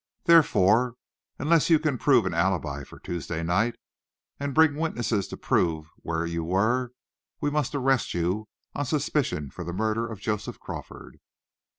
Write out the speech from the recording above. Therefore, unless you can prove an alibi for Tuesday night, and bring witnesses to prove where you, were, we must arrest you, on suspicion, for the murder of Joseph Crawford."